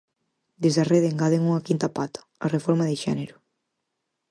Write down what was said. Desde a Rede engaden unha quinta pata: a reforma de xénero.